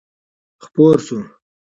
خپور شو.